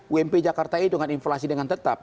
wmp jakarta itu dengan inflasi dengan tetap